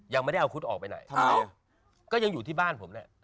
ยังไม่ได้เอาครุดออกไปไหน